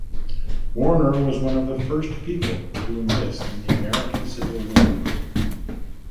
Warner was one of the first people to enlist in the American Civil War.